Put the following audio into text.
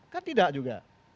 kan tidak juga